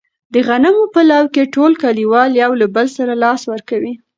د غنمو په لو کې ټول کلیوال یو له بل سره لاس ورکوي.